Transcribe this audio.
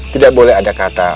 tidak boleh ada kata